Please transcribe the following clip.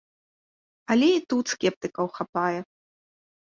Але і тут скептыкаў хапае.